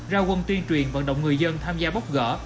rao quân tuyên truyền vận động người dân tham gia bóp gỡ